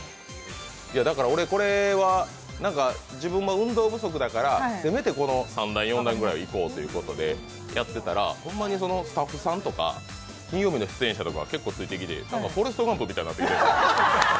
俺は、自分も運動不足だからせめて３段４段ぐらい行こうとやってたらホンマにスタッフさんとか金曜日の出演者とかは結構ついてきて、「フォレスト・ガンプ」みたいになってきて。